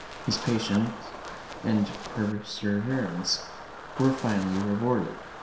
His patience and persever ance were finally rewarded.